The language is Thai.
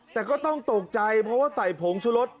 แต่ก็ต้องตกใจเพราะว่าใส่ผงชุรส